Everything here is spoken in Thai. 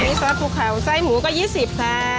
นี่ค่ะคุณครับไส้หมูก็๒๐ค่ะ